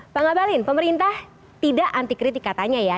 pak ngabalin pemerintah tidak antikritik katanya ya